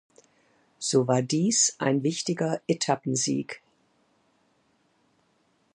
So war dies ein wichtiger Etappensieg.